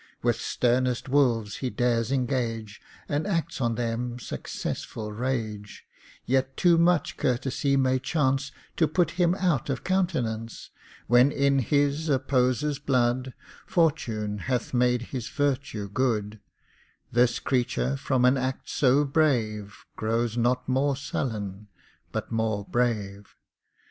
With sternest wolves he dares engage, And acts on them successful rage. Yet too much courtesy may chance To put him out of countenance. When in his opposer's blood Fortune hath made his virtue good, This creature from an act so brave Grows not more sullen, but more brave.